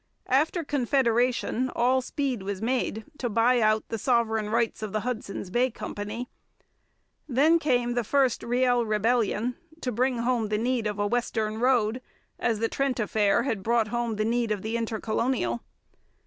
After Confederation, all speed was made to buy out the sovereign rights of the Hudson's Bay Company. Then came the first Riel Rebellion, to bring home the need of a western road, as the Trent affair had brought home the need of the Intercolonial.